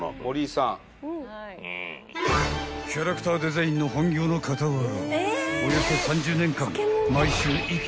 ［キャラクターデザインの本業の傍ら］